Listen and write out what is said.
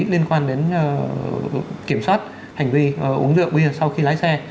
liên quan đến kiểm soát hành vi uống rượu bia sau khi lái xe